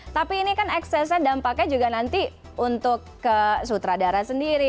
tapi ini kan eksesnya dampaknya juga nanti untuk ke sutradara sendiri